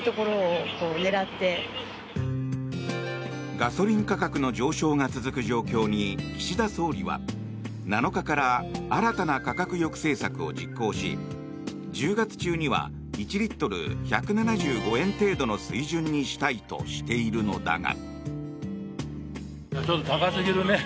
ガソリン価格の上昇が続く状況に岸田総理は７日から新たな価格抑制策を実行し１０月中には１リットル１７５円程度の水準にしたいとしているのだが。